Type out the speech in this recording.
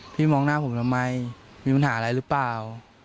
มองหน้าผมทำไมมีปัญหาอะไรหรือเปล่า